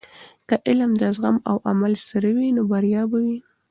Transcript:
که علم د زغم او عمل سره وي، نو بریا به وي.